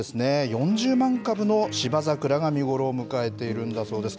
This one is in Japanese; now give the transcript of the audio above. ４０万株のシバザクラが見頃を迎えているんだそうです。